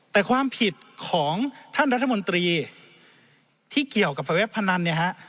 แต่ความผิดของท่านรัฐมนตรีที่เกี่ยวกับเว็บพนันเนี่ยฮะ